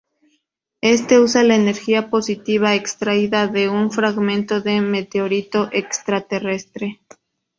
Este usa la energía positiva extraída de un fragmento de meteorito extraterrestre.